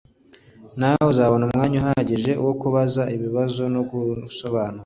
nawe uzabona umwanya uhagije wo kubaza ibibazo no kwisobanura